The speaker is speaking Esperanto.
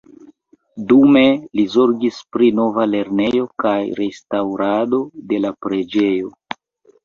Dume li zorgis pri nova lernejo kaj restaŭrado de la preĝejo.